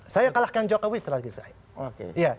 saya kalahkan jokowi strategi saya